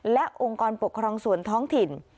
และองค์กรปกครองส่วนท้องถิ่น